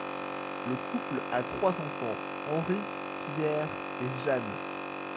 Le couple a trois enfants, Henri, Pierre et Jeanne.